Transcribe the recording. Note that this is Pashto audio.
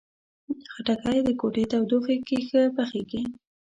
خټکی د کوټې تودوخې کې ښه پخیږي.